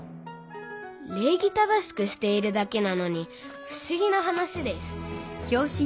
礼儀正しくしているだけなのにふしぎな話ですそうだ！